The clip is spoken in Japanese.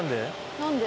何で？